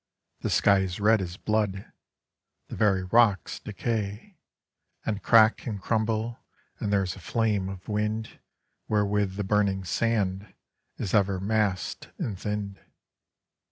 The sky is red as blood; The very rocks decay And crack and crumble, and There is a flame of wind Wherewith the burning sand Is ever mass'd and thin'd.